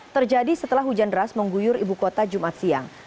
terjadi setelah hujan deras mengguyur ibu kota jumat siang